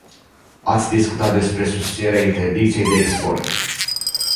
Ați discutat despre susținerea interdicției de export.